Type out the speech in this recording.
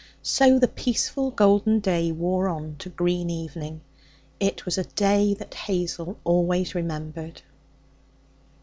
So the peaceful, golden day wore on to green evening. It was a day that Hazel always remembered.